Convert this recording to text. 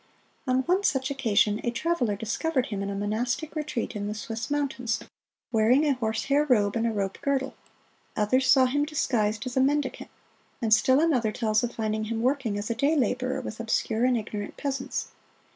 On one such occasion a traveler discovered him in a monastic retreat in the Swiss Mountains, wearing a horsehair robe and a rope girdle; others saw him disguised as a mendicant; and still another tells of finding him working as a day laborer with obscure and ignorant peasants.